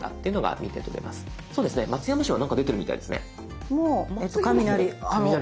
そうですね松山市は何か出てるみたいですね。も雷。